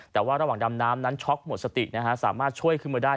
แต่ว่าระหว่างดำน้ำนั้นช็อกหมดสตินะฮะสามารถช่วยขึ้นมาได้